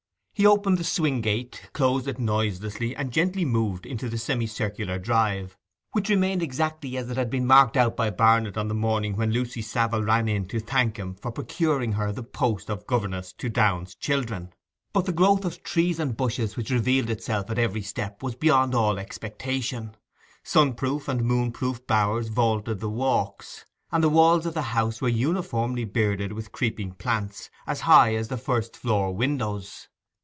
He opened the swing gate, closed it noiselessly, and gently moved into the semicircular drive, which remained exactly as it had been marked out by Barnet on the morning when Lucy Savile ran in to thank him for procuring her the post of governess to Downe's children. But the growth of trees and bushes which revealed itself at every step was beyond all expectation; sun proof and moon proof bowers vaulted the walks, and the walls of the house were uniformly bearded with creeping plants as high as the first floor windows.